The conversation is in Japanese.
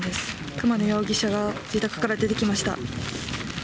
熊野容疑者が自宅から出てきました。